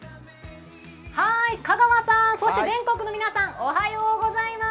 香川さん、全国の皆さんおはようございます。